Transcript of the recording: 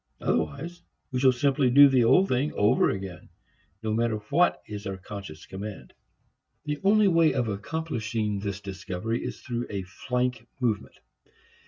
Otherwise we shall simply do the old thing over again, no matter what is our conscious command. The only way of accomplishing this discovery is through a flank movement.